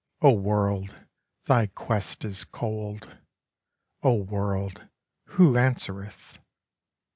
O World, thy quest is cold; O World, who answereth?